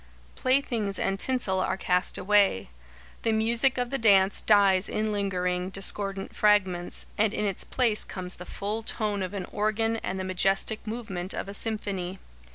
Playthings and tinsel are cast away. The music of the dance dies in lingering, discordant fragments, and in its place comes the full tone of an organ and the majestic movement of a symphony.